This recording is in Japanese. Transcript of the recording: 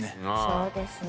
そうですね。